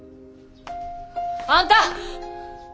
あんた！